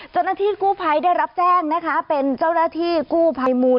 เจ้าหน้าที่กู้ภัยได้รับแจ้งนะคะเป็นเจ้าหน้าที่กู้ภัยมูล